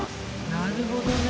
なるほどね。